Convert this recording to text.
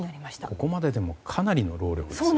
ここまででもかなりの労力ですよね。